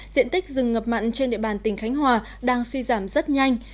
diện tích rừng ngập mặn trên địa bàn tỉnh khánh hòa đang suy giảm rất nhanh